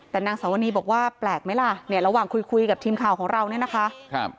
แต่นางสาวนีบอกว่าแปลกไหมล่ะเนี่ยระหว่างคุยคุยกับทีมข่าวของเราเนี่ยนะคะครับ